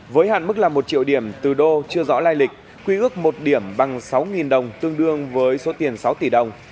với hạn mức là một triệu điểm từ đô chưa rõ lai lịch quy ước một điểm bằng sáu đồng tương đương với số tiền sáu tỷ đồng